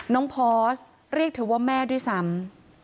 พอร์สเรียกเธอว่าแม่ด้วยซ้ำ